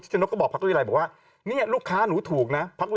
ชนกก็บอกพักเก้าวิรัยบอกว่าเนี่ยลูกค้าหนูถูกนะ